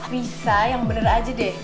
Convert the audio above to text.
bisa yang bener aja deh